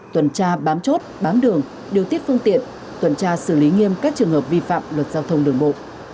tuần tra bám chốt bám đường điều tiết phương tiện tuần tra xử lý nghiêm các trường hợp vi phạm luật giao thông đường bộ